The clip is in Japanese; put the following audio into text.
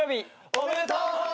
おめでとう！